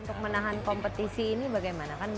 untuk menahan kompetisi ini bagaimana kan